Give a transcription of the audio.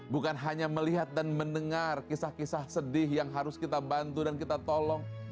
bukan hanya melihat dan mendengar kisah kisah sedih yang harus kita bantu dan kita tolong